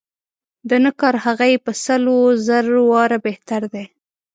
د نه کار هغه یې په سل و زر واره بهتر دی.